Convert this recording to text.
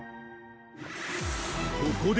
［ここでも］